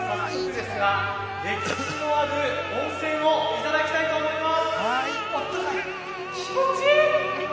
歴史のある温泉をいただきたいと思います。